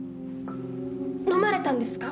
飲まれたんですか？